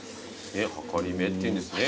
はかりめっていうんですね